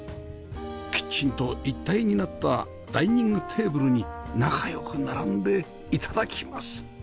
キッチンと一体になったダイニングテーブルに仲良く並んでいただきます